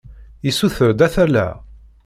Yessuter-d ad t-alleɣ.